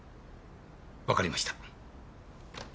わかりました。